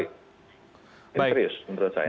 ini serius menurut saya